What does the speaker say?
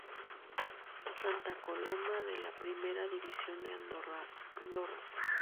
Santa Coloma de la Primera División de Andorra.